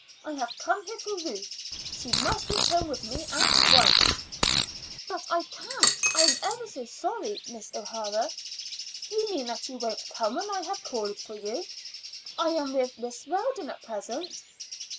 I have come here for her. She must return with me at once." "But I can't. I am ever so sorry, Miss O'Hara." "You mean that you won't come when I have called for you?" "I am with Miss Weldon at present."